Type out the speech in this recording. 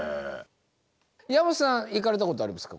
山本さん行かれたことありますか？